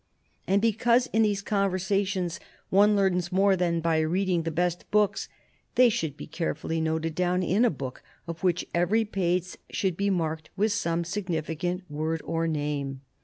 "And because in these conversations one learns more than by reading the best books ... they should be care fully noted down in a book, of which every page should be marked with some significant word or name."